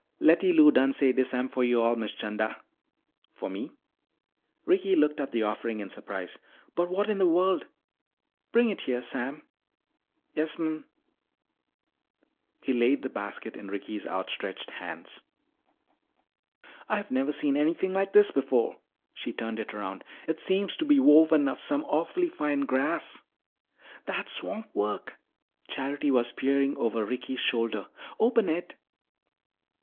"Letty Lou done say dis am fo' yo'all, Miss 'Chanda." "For me?" Ricky looked at the offering in surprise. "But what in the world Bring it here, Sam." "Yas'm." He laid the basket in Ricky's outstretched hands. "I've never seen anything like this before." She turned it around. "It seems to be woven of some awfully fine grass " "That's swamp work." Charity was peering over Ricky's shoulder. "Open it."